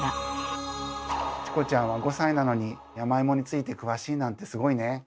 チコちゃんは５歳なのに山芋について詳しいなんてすごいね。